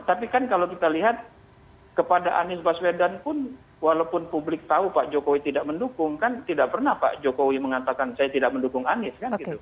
tapi kan kalau kita lihat kepada anies baswedan pun walaupun publik tahu pak jokowi tidak mendukung kan tidak pernah pak jokowi mengatakan saya tidak mendukung anies kan gitu